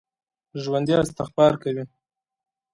ژوندي استغفار کوي